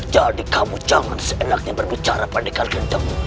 jadi kamu jangan seenaknya berbicara pendekar gendeng